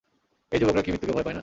এই যুবকরা কি মৃত্যুকে ভয় পায় না?